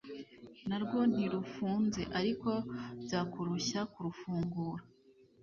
narwo ntirufunze, ariko byakurushya kurufungura